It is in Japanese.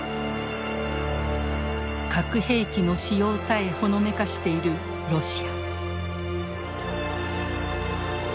核兵器の使用さえほのめかしているロシア。